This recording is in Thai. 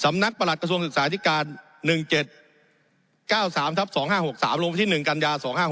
สำนักประหลักกทศศะการ๑๗๙๓๒๕๖๓ลงที่๑กย๒๕๖๓